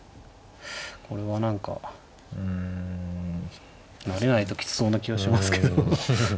これは何かうん成れないときつそうな気はしますけど。